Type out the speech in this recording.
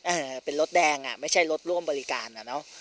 เออเป็นรถแดงอ่ะไม่ใช่รถร่วมบริการอ่ะเนอะ